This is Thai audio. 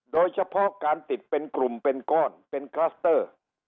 โดยเฉพาะการติดเป็นกลุ่มเป็นก้อนเป็นคลัสเตอร์